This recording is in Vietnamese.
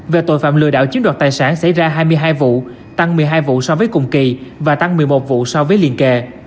về tội phạm lừa đảo chiếm đoạt tài sản xảy ra hai mươi hai vụ tăng một mươi hai vụ so với cùng kỳ và tăng một mươi một vụ so với liên kề